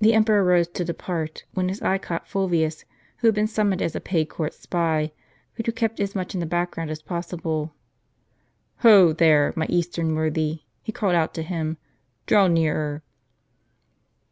The emperor rose to depart, when his eye caught Fulvius, who had been summoned as a paid court spy, but who kept as much in the back ground as possible. " Ho, there, my eastern worthy," he called out to him ;" draw nearer."